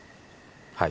はい？